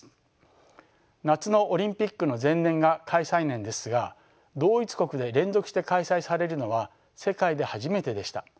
夏のオリンピックの前年が開催年ですが同一国で連続して開催されるのは世界で初めてでした。